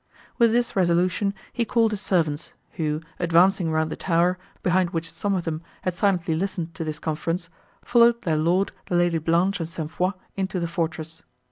With this resolution he called his servants, who, advancing round the tower, behind which some of them had silently listened to this conference, followed their Lord, the Lady Blanche, and St. Foix into the fortress.